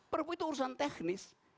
perpu itu urusan teknis